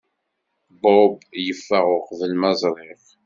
Bob yeffeɣ uqbel ma ẓriɣ.